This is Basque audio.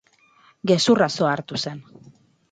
Gezurraz ohartu zen.